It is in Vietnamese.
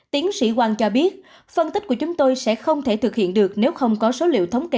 tiến sĩ quang cho biết phân tích của chúng tôi sẽ không thể thực hiện được nếu không có số liệu thống kê